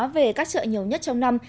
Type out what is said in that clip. về các chợ nhiều nhất trong năm